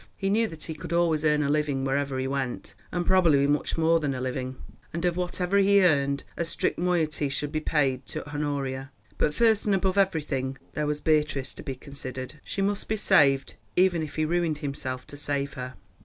He knew that he could always earn a living wherever he went, and probably much more than a living, and of whatever he earned a strict moiety should be paid to Honoria. But first and above everything, there was Beatrice to be considered. She must be saved, even if he ruined himself to save her.